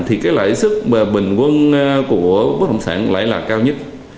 thì lãi suất bình quân của bất động sản lại là cao nhất